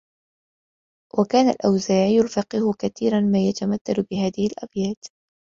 وَكَانَ الْأَوْزَاعِيُّ الْفَقِيهُ كَثِيرًا مَا يَتَمَثَّلُ بِهَذِهِ الْأَبْيَاتِ